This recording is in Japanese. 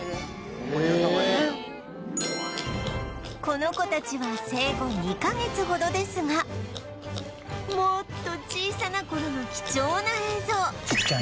この子たちは生後２カ月ほどですがもっと小さな頃の貴重な映像見せて頂きました